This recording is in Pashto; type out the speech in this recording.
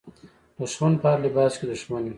دښمن په هر لباس کې دښمن وي.